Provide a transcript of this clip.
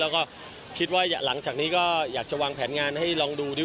แล้วก็คิดว่าหลังจากนี้ก็อยากจะวางแผนงานให้ลองดูดิ